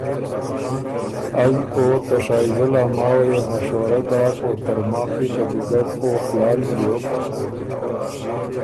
از او ته شائزل ا ماوه يې مشوره داک او ترماخ يې ته دُوګډ او خیال بیوک۔